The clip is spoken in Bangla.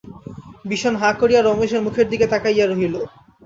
বিষন হাঁ করিয়া রমেশের মুখের দিকে তাকাইয়া রহিল।